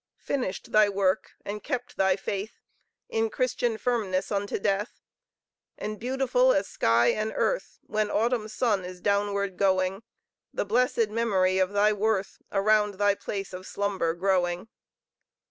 Finished thy work, and kept thy faith In Christian firmness unto death And beautiful as sky and earth, When Autumn's sun is downward going, The blessed memory of thy worth Around thy place of slumber glowing!